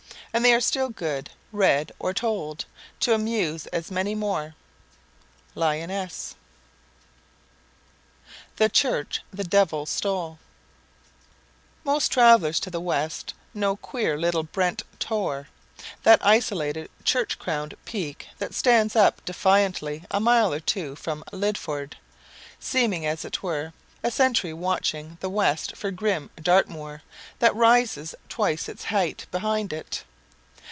And they are still good read or told to amuse as many more. LYONESSE THE CHURCH THE DEVIL STOLE Most travellers to the West know queer little Brent Tor, that isolated church crowned peak that stands up defiantly a mile or two from Lydford, seeming, as it were, a sentry watching the West for grim Dartmoor that rises twice its height behind it.